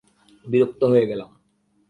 বিরক্ত হয়ে গেলাম!